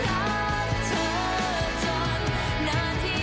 ให้กอดเธอเอาไว้ตรงนี้